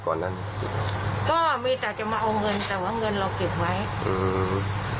ตอนนั้นก็มีแต่จะมาเอาเงินแต่ว่าเงินเราเก็บไว้อืม